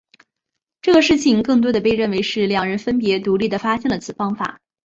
这个事情更多地被认为是两人分别独立地发现了此方法。